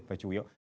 và chủ yếu